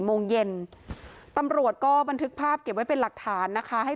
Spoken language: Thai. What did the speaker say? พ่อแม่มาเห็นสภาพศพของลูกร้องไห้กันครับขาดใจ